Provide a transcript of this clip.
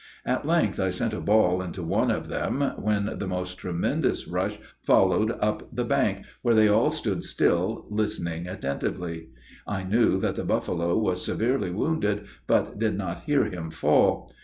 At length I sent a ball into one of them, when the most tremendous rush followed up the bank, where they all stood still, listening attentively. I knew that the buffalo was severely wounded, but did not hear him fall.